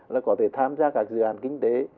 là có thể tham gia các dự án kinh tế